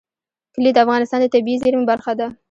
کلي د افغانستان د طبیعي زیرمو برخه ده.